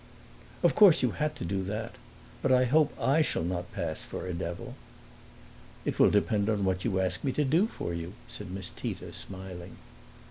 "Of course you had to do that. But I hope I shall not pass for a devil." "It will depend upon what you ask me to do for you," said Miss Tita, smiling.